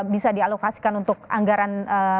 bisa dialokasikan untuk anggaran